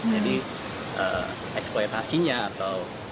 jadi eksploitasinya atau